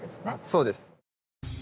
そうです。